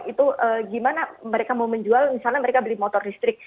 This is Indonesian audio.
itu gimana mereka mau menjual misalnya mereka beli motor listrik